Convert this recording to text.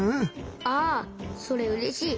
ああそれうれしい。